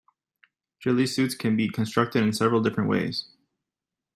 Ghillie suits can be constructed in several different ways.